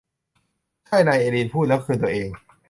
ใช่นายเอลีนพูดแล้วคืนตัวเอง